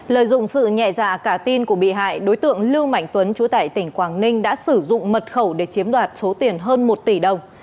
lợi dụng sự nhẹ dạ cả tin của bị hại đối tượng lưu mạnh tuấn chú tại tỉnh quảng ninh đã sử dụng mật khẩu để chiếm đoạt số tiền hơn một tỷ đồng